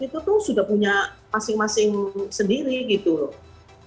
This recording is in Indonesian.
itu tuh sudah punya masing masing sendiri gitu loh